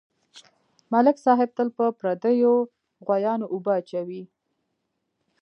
ملک صاحب تل په پردیو غویانواوبه اچوي.